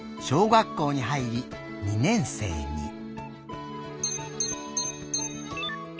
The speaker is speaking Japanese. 小学校にはいり「二年生」に。